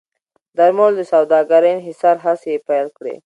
درملو د سوداګرۍ انحصار هڅې یې پیل کړې.